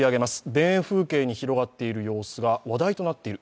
田園風景に広がっている様子が話題になっている、